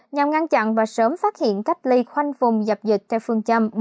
nhằm ngăn chặn và sớm phát hiện cách ly khoanh vùng dập dịch theo phương châm bốn